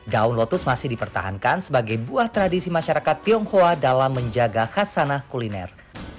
daun lotus masih dipertahankan sebagai buah tradisi masyarakat tionghoa dalam menjaga khasana kuliner